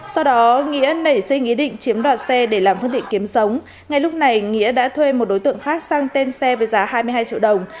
sau đó nghĩa nảy sinh ý định chiếm đoạt xe để làm phương tiện kiếm sống ngay lúc này nghĩa đã thuê một đối tượng khác sang tên xe với giá hai mươi hai triệu đồng